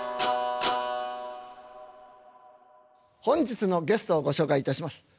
本日のゲストをご紹介いたします。